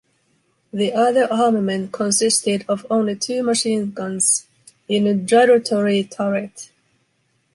The other armament consisted of only two machine guns in a gyratory turret.